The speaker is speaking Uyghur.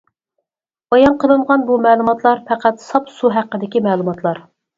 بايان قىلىنغان بۇ مەلۇماتلار پەقەت ساپ سۇ ھەققىدىكى مەلۇماتلار.